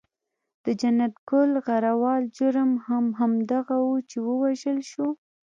د جنت ګل غروال جرم هم همدغه وو چې و وژل شو.